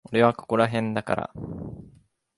俺はここらへんだから。